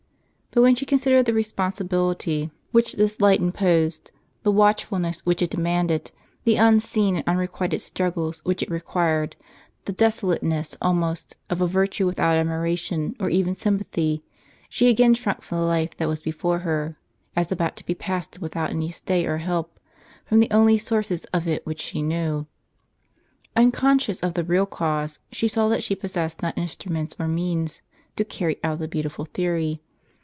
But when she considered the responsibil ity which this light imposed, the watchfulness which it demanded, the imseen and unrequited struggles which it required, the desolateness, almost, of a virtue without admira tion or even sympathy, she again shrunk from the life that was before her, as about to be passed without any stay or help, from the only sources of it which she knew. Uncon scious of the real cause, she saw that she possessed not instruments or means, to cany out the beautiful theory.